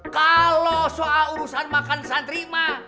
kalau soal urusan makan santri mah